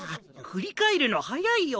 振り返るの早いよ。